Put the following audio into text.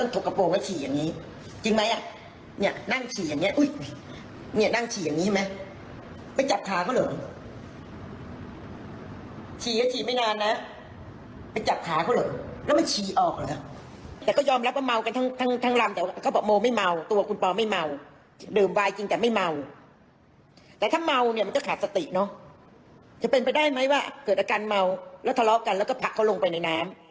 ทั้งลำเขาบอกโมไม่เมาตัวคุณปอล์ไม่เมาดื่มไว้กินแต่ไม่เมาแต่ถ้าเมาเนี่ยมันก็ขาดสติเนาะจะเป็นไปได้ไหมว่าเกิดอาการเมาแล้วทะเลาะกันแล้วก็ผลักเขาลงไปในน้ำ